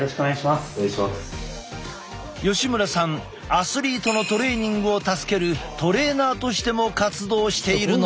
アスリートのトレーニングを助けるトレーナーとしても活動しているのだ。